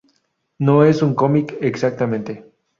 No es un cómic exactamente.